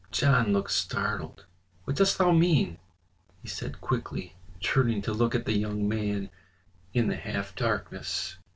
John looked startled. "What dost thou mean?" he said quickly, turning to look at the young man in the half darkness.